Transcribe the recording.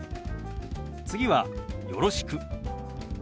次は「よろしく」。